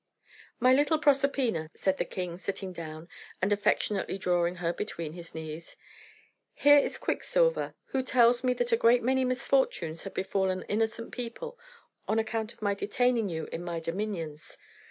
"My little Proserpina," said the king, sitting down, and affectionately drawing her between his knees, "here is Quicksilver, who tells me that a great many misfortunes have befallen innocent people on account of my detaining you in my dominions.